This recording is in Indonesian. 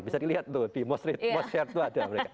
bisa dilihat tuh di most shared itu ada